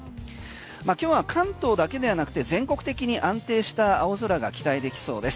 今日は関東だけではなくて全国的に安定した青空が期待できそうです。